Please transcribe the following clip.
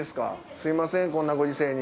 すみませんこんなご時世に。